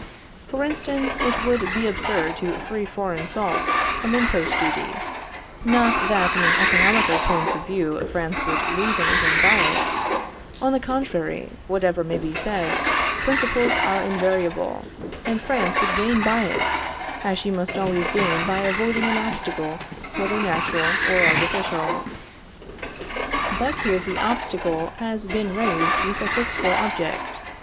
For instance, it would be absurd to free foreign salt from impost duty; not that in an economical point of view France would lose any thing by it; on the contrary, whatever may be said, principles are invariable, and France would gain by it, as she must always gain by avoiding an obstacle whether natural or artificial. But here the obstacle has been raised with a fiscal object.